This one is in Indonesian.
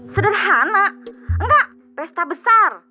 sederhana enggak pesta besar